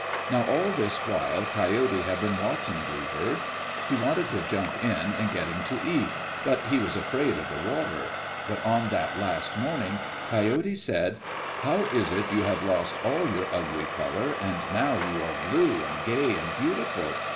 Now all this while Coyote had been watching Bluebird. He wanted to jump in and get him to eat, but he was afraid of the water. But on that last morning Coyote said, "How is it you have lost all your ugly color, and now you are blue and gay and beautiful?